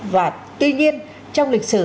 và tuy nhiên trong lịch sử